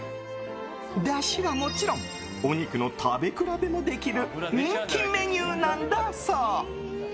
だしはもちろんお肉の食べ比べもできる人気メニューなんだそう。